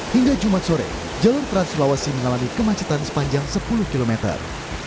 hingga jumat sore jalur trans sulawesi mengalami kemacetan sepanjang sepuluh kilometer